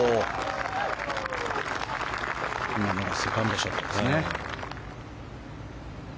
今のがセカンドショットですね。